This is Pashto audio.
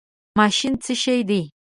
ماشین څه شی دی؟